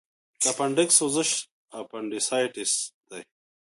د اپنډکس سوزش اپنډیسایټس دی.